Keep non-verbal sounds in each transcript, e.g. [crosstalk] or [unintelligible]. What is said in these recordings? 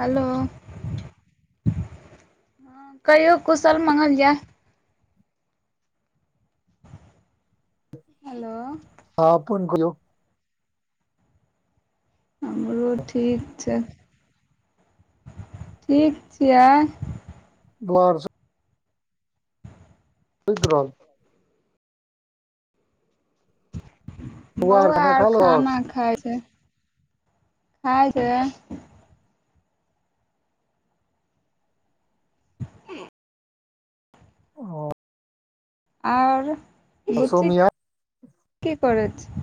Hello कहियो कुशल मंगल जे हेलो अहाँ अपन कहयौ हमरो ठीक छै [inaudible] ठीक छियै आओर सब सुइत रहल दुआर बौआ खाना खा आर लेलक खाना खाय छै खाय छै [unintelligible] हअ आओर बुच्ची सोमिया [inaudible] की करय छै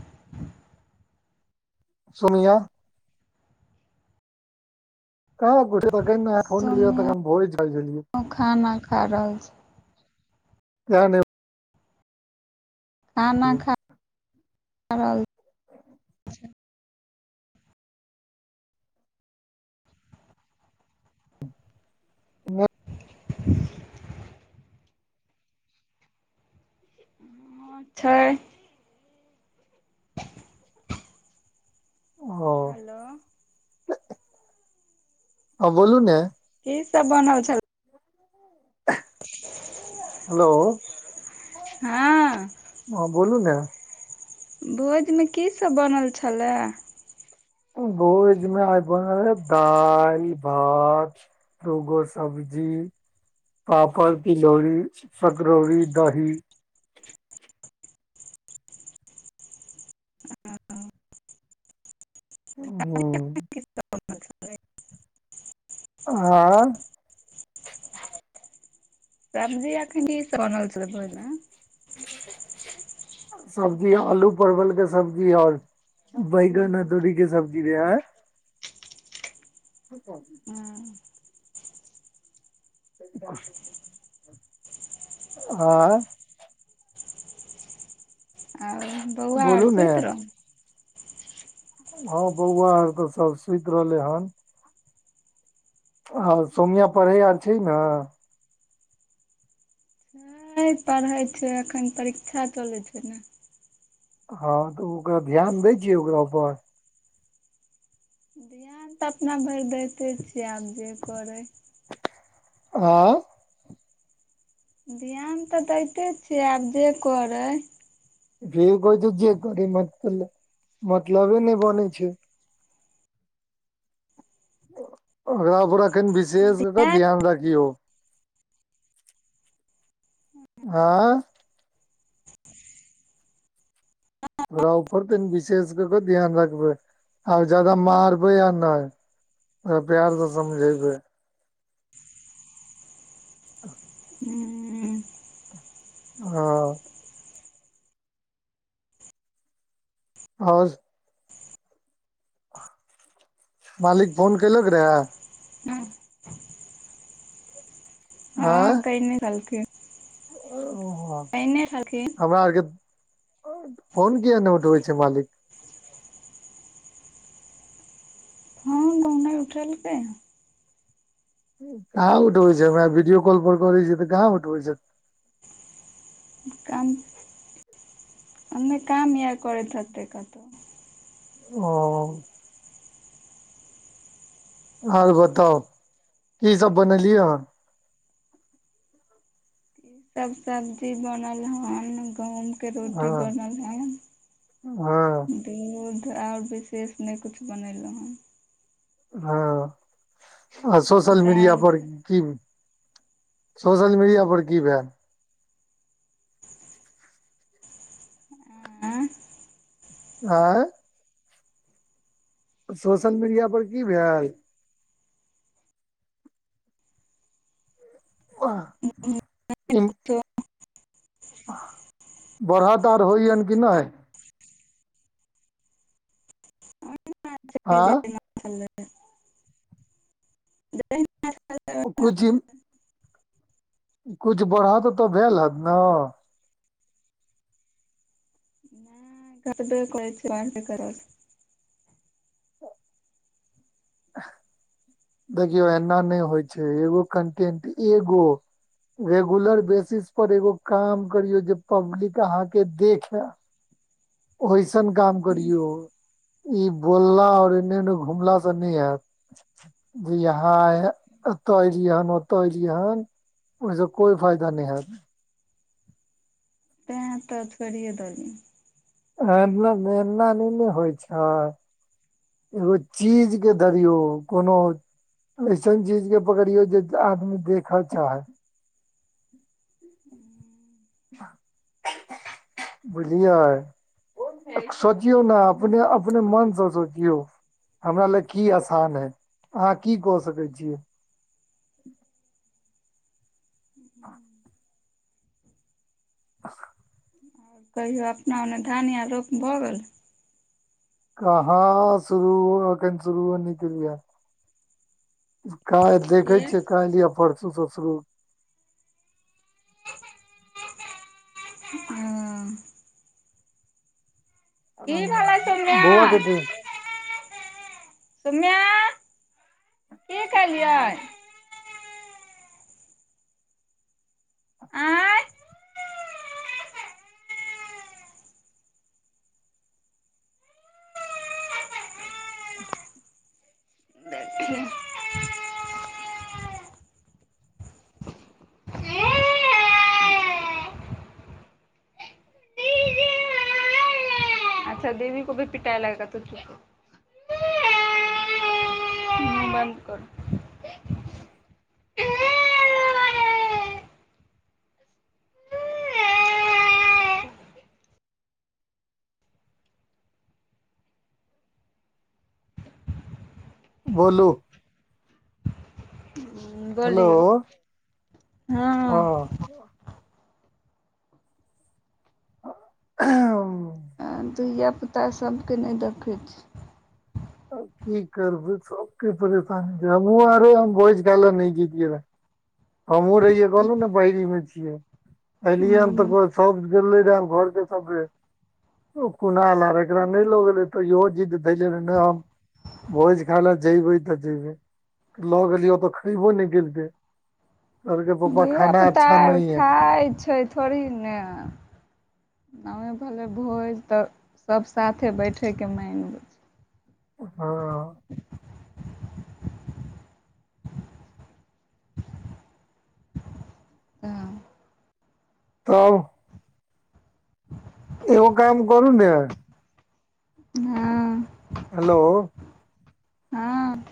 सुनिया कह तोनिय त हम भोरे चल गेलिये हम खाना खा रहल छी इहे न खाना नहि खा खा रहल [unintelligible] हँ छै ओ हेलो हँ बोलू ने की सब बनल छले हेलो हँ हँ बोलू ने भोज मे की सब बनल छले भोज मे आइ बनल रहेय दाल भात दूगो सब्जी पापड़ तिलौरी सकरौरी दही हूँ ओतय खेबय आँय सब्जी अखने सरल छले भोज में [inaudible] सब्जी आलू परवल के सब्जी आओर बैगन अदौरी के सब्जी रहैय [unintelligible] हँ त आयें आओर बौआ आर बोलू ने सुइत रहले हँ बौआ आर त सब सुइत रहले हन हँ सोमिया पढ़ै आर छै न नइ पढ़ै छै एखन परीक्षा चलै छै ने हँ त ओकरा ध्यान दै छियै ओकरा ऊपर ध्यान त अपना भैर दैते छियै आब जे करे आँ ध्यान तऽ दैते छियै आब जे करै यय भौजे करी मत मतलबे नहि बने छै ओकरापर अखैन विशेष क के ध्यान रखियो आँय ओकरापर तनि विशेष क क ध्यान राखबै आब जादा मारबै आ नहि ओ प्यार से समझे बै [inaudible] हूँ ह औस मालिक फोन केलक रहेऽय ह आँय कैने रहथिन छलखिन हमरा आरके फोन किया नै उठबै छै मालिक ह [unintelligible] नैय उठेलकेै हन कहाँ उठबै छै हमरा वीडियो कॉल पर करैछियै तऽ कहाँ उठबै छैयथ काम अने काम आऔर करैत हतै कतौ ओ और बताउ की सब बनेलियै हन सब सब्जी बनल हन गहुम के रोटी हँ बनल हन हँ दूध और विशेष नेै कुछ बनेलौ हन ह आ धिया सोशल पुता मीडिया आर पर की सोशल मीडिया पर की भेऽल आँय आँय सोशल मीडिया पर की भेऽल आ इ त अ बढ़त और होय या कि नैय आ [unintelligible] कुकुर छैन कुछ बढ़त तऽ भेल हेत ने नै सबटा करै छि वाड स करब देखियौ एना नै होय छै एगो कन्टेन्ट एगो रेगुलर बेसिस पर एगो काम करियो जे पब्लिक आहाँ के देखे ओयसन काम करियौ ई बोलला और एने-एने घुमला से नै हैऽत जी आहाँ अतऽ एलियै हन ओतऽ एलियै हन ओय स कोय फायदा नैय हेऽत ते त छोड़ये देलियै -एना नैय न होय छैय एगो चीज के धरियौ कोनो ओयसन चीज के पकड़ियौ जे आदमी देखऽ चाहत [inaudible] ह बुझलियै सोचियौ न अपने - अपने मन सँ सोचि यौ हमरा लऽ की आसान हैय अहाँ की कऽ सकैय छियै [inaudible] [inaudible] [inaudible] कहियो अपना ओने धान आर रोप भऽ गेल कहाँ शुरू अखेन शुरू नइ केलिये हन काइल देखे छियै काइल या परसू सँ शुरू के हँ [inaudible] कि भेलै सुम्या बौआ के दे सुम्या की केलियै आँय देखियौ अच्छा दीदी को भी पिटाय लगतो तु चुप बन्द कर बोलु हुँ हेलो बोलियौ हँ [inaudible] हम धियापुता सभ केँ नय देखै छी अब की करबै सबके परेशानी छै हमहु आरे हम भोज खाइ लऽ गेलियै रहे हमहुँ रहियै कहलहुँ नइ बहेरी मऽ छियै एलियए हम तऽ हूँ कहै सब गेले रहे घरके सबहे कुणाल अर एकरा नय लऽ गेले त इहो जिद्द धैले रहे नय हम भोज खा लऽ जेबै तऽ जेबै - लऽ गेलियो आतऽ खइबो नै केलकै कहलकै प धियापुता आर खाय छै थोरही नऽ नाओ भेलै भोज तऽ सब साथे बैठे केँ माइन हँ हँ तब एगो काम करू ने हँ हेलो हँ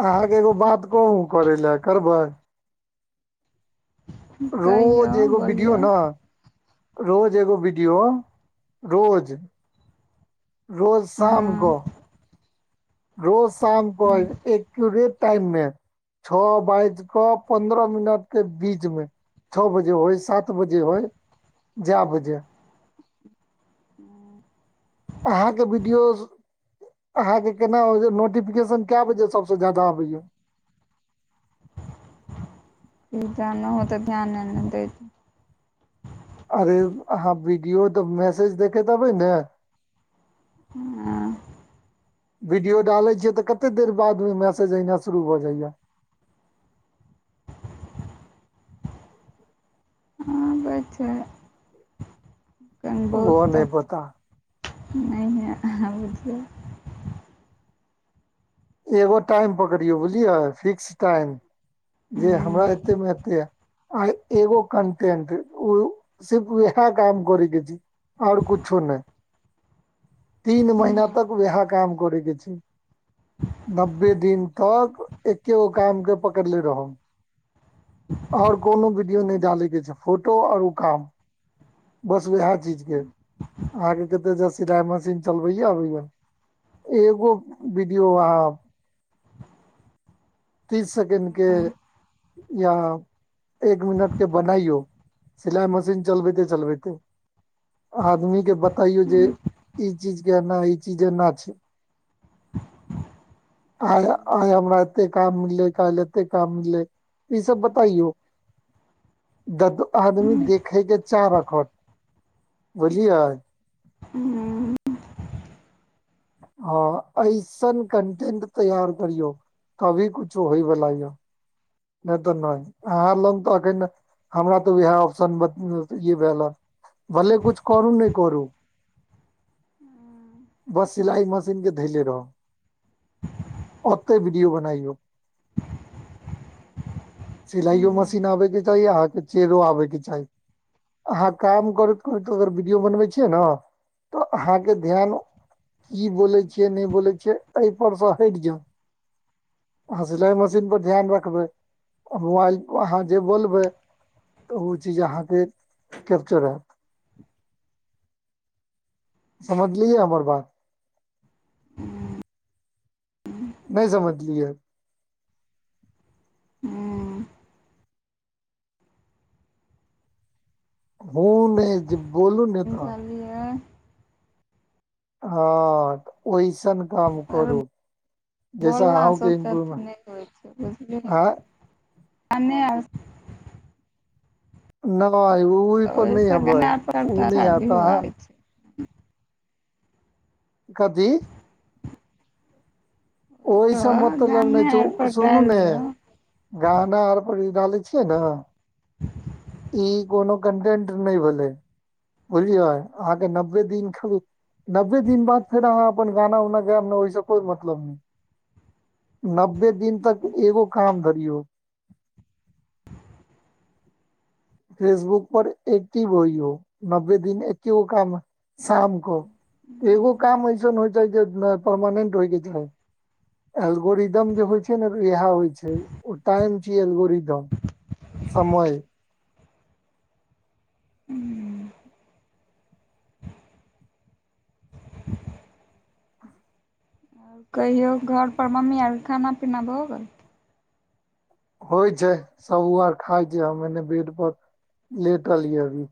अहाँकेँ एगो बात कहू करे लऽ करबै कहियौ रोज एगो विडियो बोलियौ नऽ रोज एगो विडियो रोज रोज ई शाम कऽ रोज शाम कऽ एक्यूरेट टाइम मे छ बाइज कऽ पन्द्रह मिनट केँ बीच मे छ बजे होइ सात बजे होइ जै बजे हूँ अहाँ कऽ विडियोज अहाँकेँ केना उ जे नोटिफिकेशन केय बजे सबसे ज्यादा आबै य ई ज नइ हो तऽ ध्याने नै दैय अरे अहाँ वीडियो तऽ मैसेज देखेत हेबै नऽ हुँ वीडियो डाले छीये तऽ कत्ते देर बाद मे मैसेज एयनाय शुरू भऽ जाइ यऽ अच्छा तनि ओहो बहुत नहि त पता नय [unintelligible] एगो टाइम पकड़ियो बुझलियए फिक्स टाइम जे हमरा एते मे एते आयत आय एगो कन्टेंट ओ सिर्फ व वेहै काम करै के छै ओर कूछो नय तीन महिना तक उएहा काम करै के छै नब्बे दिन तक एक्के गो काम के पकड़ले रहम आ ओर कोनो वीडियो नय डालय के छै फोटो ओर ऊ काम बस उएहे चीज के अहाँ के कत्ते जस सिलाई मशीन चलबैय अबया एगो वीडियो अहा तीस सेकेंड के या एक मिनट के बनाइयो सिलाई मशीन चलबेते चलबेते। आदमी के बताइयो जे ई चीज के एना ई चीज एना छै। आइ आइ हमरा एते काम मिललै कायल एते काम मिललै इ सब बताइयो द आदमी देखे के चाह रखत बुझलियए हू ह ऐसन कंटेंट तैयार करियऔ तभी कुछो होय वाला ये नय तऽ नय अहाँ लग तऽ एखन हमरा तऽ उएह ऑप्शन ई भेल हन। भले कुछ करू न करू। [inaudible] बस सिलाई मशीन के धैले रहू। ओते वीडियो बनायो। सिलाईयो मशीन आबे के चाही अहाँ के चेहरो आबे के चाही। अहाँ काम करैत करैत अगर वीडियो बनबै छियै ने तऽ अहाँके ध्यान ई बोले छियै नय बोले छियै। एहि पर से हट जाउ आ सिलाई मशीन पर ध्यान रखबै। मोबाइल पर अहाँ जे बोलबे तऽ ओ चीज अहाँके कैप्चर हत। समझलियै हमर बात। हु नय समझलियै। हू हू नय जे बोलू ने तऽ समझलियै हँ ओहिसन काम करू। बोल जैसा न अहूँ के सुतत इम्प्रूव निक होइ छै बुझलिन हँ नय नै ओहि पर न ओहिस अबे गाना पर उ न अच्छा आता व्यू अहा। आबै छै कथी ओहिस ओहि सब मतलब ने गाने छै आर पर सुनू डालि ने दियौ गाना आर पर डालै छियै ने ई कोनो कंटेंट नय भेले बुझलियै अहाँ के नब्बे दिन ख नब्बे दिन बाद फेर अहाँ अपन गाना उानना गायब ने ओहिस कोई मतलब नय नब्बे दिन तक एगो काम धरियौ। फेसबुक पर एक्टिव होइ ओ नब्बे दिन एकेगो काम शाम क एगो काम अऐसन होइ छै जे परमानेंट होयके चाही एल्गोरिदम जे होइ छै ने इएह होइ छै ओ टाइम छ एलगोरिदम। समय। कहियौ घर पर मम्मी आरके खाना पीना भऽ गेल। होइ छै सब ओ आर खाय छै हम एने बेड पर लेटलहियै अभी।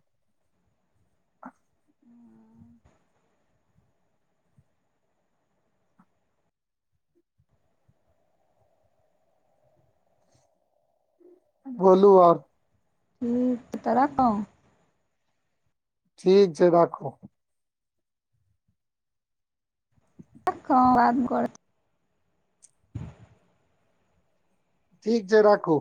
बोलू आओर। हुॅं तऽ रखू। ठीक छै राखू। रखौ बात करब। ठीक छै राखू।